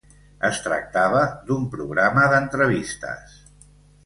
Es tractava d'un programa d'entrevistes.